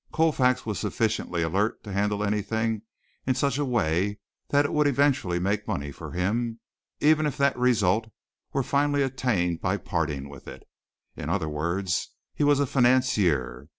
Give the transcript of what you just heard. Colfax was sufficiently alert to handle anything in such a way that it would eventually make money for him, even if that result were finally attained by parting with it. In other words, he was a financier.